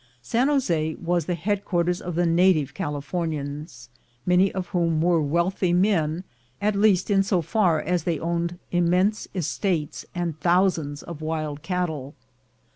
San Jose was the head quarters of the native Californians, many of whom were wealthy men, at least in so far as they owned immense estates and thousands of wild cattle.